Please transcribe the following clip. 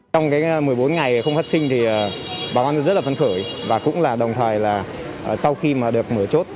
trong một mươi bốn ngày không phát sinh thì bà con rất là phân khởi và cũng là đồng thời là sau khi mà được mở chốt